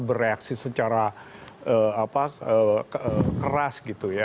bereaksi secara keras